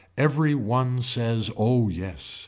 Every one says oh yes.